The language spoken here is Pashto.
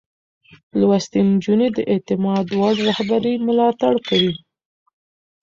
لوستې نجونې د اعتماد وړ رهبرۍ ملاتړ کوي.